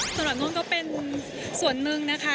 สำหรับนุ่นก็เป็นส่วนหนึ่งนะคะ